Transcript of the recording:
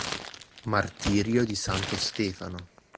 Martirio di santo Stefano